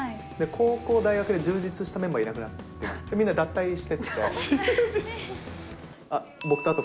高校、大学で充実したメンバーはいなくなって、みんな脱退していって。